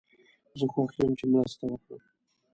زه خوښ یم چې مرسته وکړم.